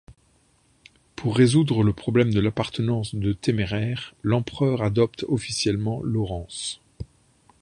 Pour résoudre le problème de l'appartenance de Téméraire, l'empereur adopte officiellement Laurence.